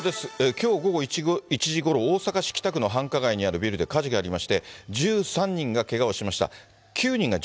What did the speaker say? きょう午後１時ごろ、大阪市北区の繁華街にあるビルで火事がありまして、１３人がけがをしました。